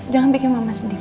jangan bikin mama sedih